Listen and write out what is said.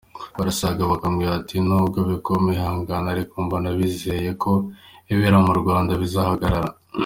Barazaga bakambwira bati nubwo bikomeye ihangane ariko mbona bizeye ko ibibera mu Rwanda bizahagarara.